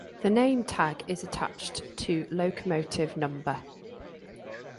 The name tag is attached to locomotive no.